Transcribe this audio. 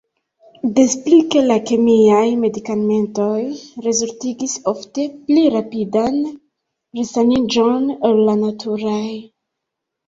Des pli ke la kemiaj medikamentoj rezultigis ofte pli rapidan resaniĝon ol la naturaj.